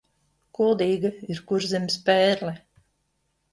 Kuldīga ir Kurzemes pērle.